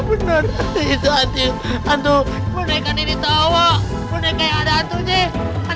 benar itu hantu hantu mereka diri tahu mereka ada